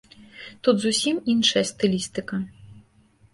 Тут зусім іншая стылістыка.